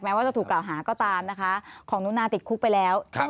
ว่าจะถูกกล่าวหาก็ตามนะคะของนุนาติดคุกไปแล้ว